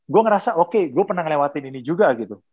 gue ngerasa oke gue pernah ngelewatin ini juga gitu